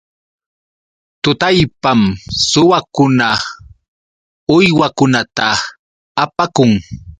Tutallpam suwakuna uywakunata apakun.